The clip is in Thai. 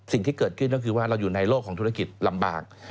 สิ่งที่เกิดขึ้นก็คือว่าเราอยู่ในโลกของธุรกิจลำบาก